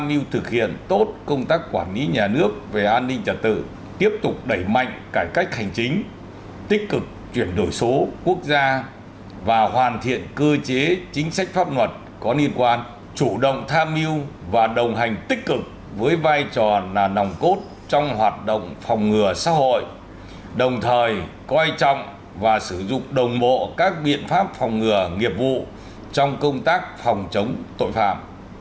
tham mưu thực hiện tốt công tác quản lý nhà nước về an ninh trật tự tiếp tục đẩy mạnh cải cách hành chính tích cực chuyển đổi số quốc gia và hoàn thiện cơ chế chính sách pháp luật có liên quan chủ động tham mưu và đồng hành tích cực với vai trò nòng cốt trong hoạt động phòng ngừa xã hội đồng thời coi trọng và sử dụng đồng bộ các biện pháp phòng ngừa nghiệp vụ trong công tác phòng chống tội phạm